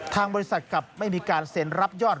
ทางบริษัทกลับไม่มีการเซ็นรับยอด